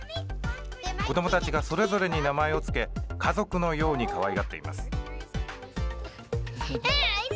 子どもたちがそれぞれに名前を付け家族のようにかわいがっています。